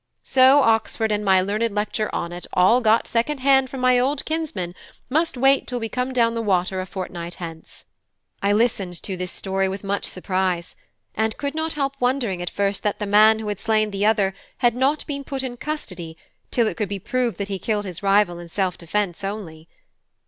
So Oxford and my learned lecture on it, all got at second hand from my old kinsman, must wait till we come down the water a fortnight hence." I listened to this story with much surprise, and could not help wondering at first that the man who had slain the other had not been put in custody till it could be proved that he killed his rival in self defence only.